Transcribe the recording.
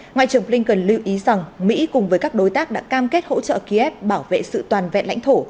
ngoại trưởng blinken lưu ý rằng mỹ cùng với các đối tác đã cam kết hỗ trợ kiev bảo vệ sự toàn vẹn lãnh thổ